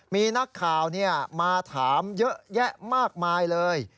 มีนักข่าวมาถามเยอะแยะมากมายเลย